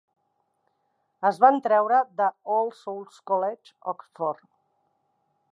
Es van treure de All Souls College, Oxford.